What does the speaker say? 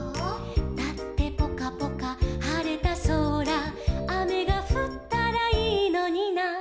「だってぽかぽかはれたそら」「あめがふったらいいのにな」